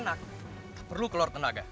tak perlu keluar tenaga